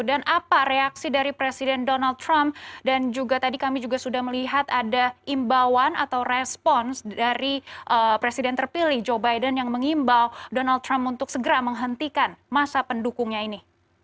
dan apa reaksi dari presiden donald trump dan juga tadi kami juga sudah melihat ada imbauan atau respons dari presiden terpilih joe biden yang mengimbau donald trump untuk segera menghentikan masa pendukungnya ini